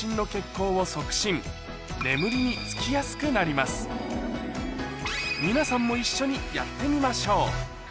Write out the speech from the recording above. つまり皆さんも一緒にやってみましょう